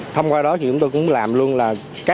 thông qua đó chúng tôi cũng làm luôn là